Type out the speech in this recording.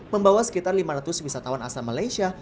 membawa sekitar lima ratus wisatawan asal malaysia